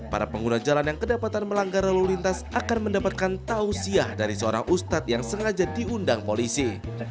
para pengguna jalan yang kedapatan melanggar lalu lintas akan mendapatkan tausiah dari seorang ustad yang sengaja diundang polisi